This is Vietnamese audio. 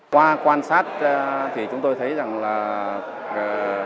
qua quan sát thì chúng tôi thấy rằng là